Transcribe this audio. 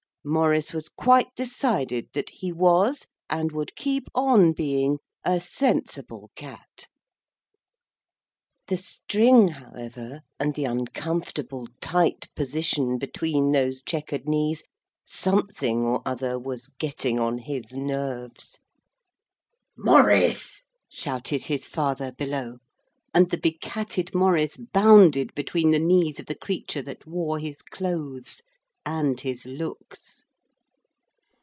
Maurice was quite decided that he was and would keep on being a sensible cat. The string, however, and the uncomfortable, tight position between those chequered knees something or other was getting on his nerves. 'Maurice!' shouted his father below, and the be catted Maurice bounded between the knees of the creature that wore his clothes and his looks.